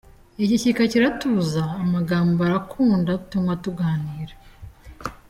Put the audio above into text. Igishyika kiratuza Amagambo arakunda Tunywa tuganira.